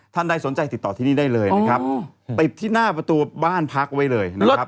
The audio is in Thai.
ท่านใดสนใจติดต่อที่นี่ได้เลยนะครับติดที่หน้าประตูบ้านพักไว้เลยนะครับ